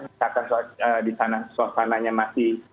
misalkan di sana suasananya masih